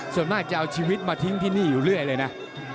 ส่วนมากจะเอาชีวิตมาทิ้งที่นี่อยู่เรื่อยเลยนะ